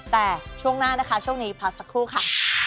แต่ช่วงหน้านะคะช่วงนี้พักสักครู่ค่ะ